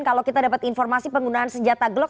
kalau kita dapat informasi penggunaan senjata glock